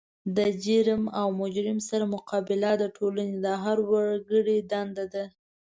د جرم او مجرم سره مقابله د ټولنې د هر وګړي دنده ده.